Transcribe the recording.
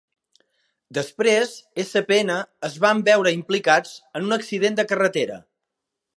Després Sp!n es van veure implicats en un accident de carretera.